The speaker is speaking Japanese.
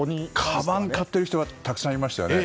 かばん買っている人がたくさんいましたね。